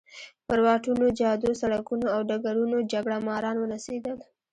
پر واټونو، جادو، سړکونو او ډګرونو جګړه ماران ونڅېدل.